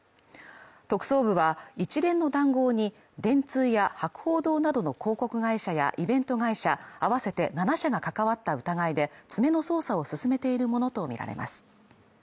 特捜部は、一連の談合に電通や博報堂などの広告会社やイベント会社合わせて７社が関わった疑いで、詰めの捜査を進めているものとみられます。